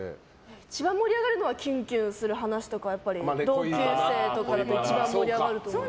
一番盛り上がるのはキュンキュンする話とか同級生とかだと一番盛り上がると思います。